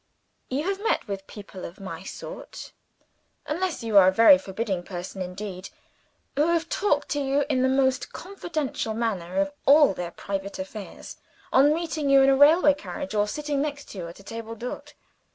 You have met with people of my sort unless you are a very forbidding person indeed who have talked to you in the most confidential manner of all their private affairs, on meeting you in a railway carriage, or sitting next to you at a table d'hôte.